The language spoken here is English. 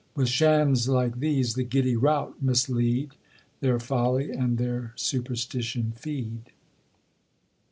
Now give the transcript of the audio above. With shams like these the giddy rout mislead, Their folly and their superstition feed.